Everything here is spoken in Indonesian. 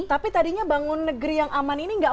tapi tadinya bangun negeri yang aman ini enggak